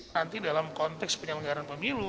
nanti dalam konteks penyelenggaran pemilu